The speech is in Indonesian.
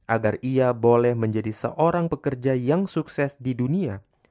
agar ia boleh menjadi seorang pekerja yang sukses di dunia